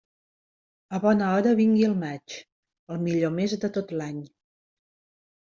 A bona hora vingui el maig, el millor mes de tot l'any.